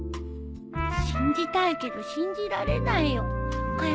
信じたいけど信じられないよ。かよ